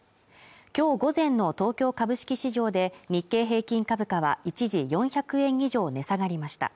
きょう午前の東京株式市場で日経平均株価は一時４００円以上値下がりました